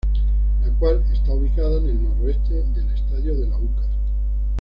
La cual está ubicada en el noreste del "Estadio del Aucas".